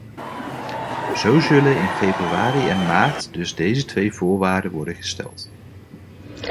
Zo zullen in februari en maart dus deze twee voorwaarden worden gesteld.